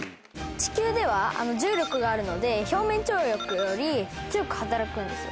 地球では重力があるので表面張力より強く働くんですよ。